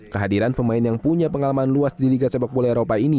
kehadiran pemain yang punya pengalaman luas di liga sepak bola eropa ini